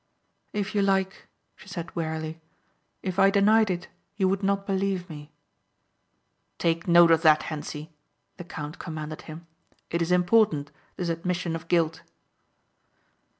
"If you like," she said wearily, "If I denied it you would not believe me." "Take note of that, Hentzi," the count commanded him. "It is important, this admission of guilt."